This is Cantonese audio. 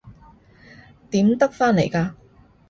點得返嚟㗎？